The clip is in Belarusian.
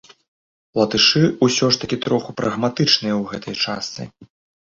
Латышы ўсё ж такі троху прагматычныя ў гэтай частцы.